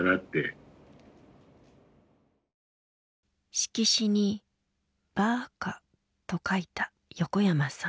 色紙に「バーカ」と書いた横山さん。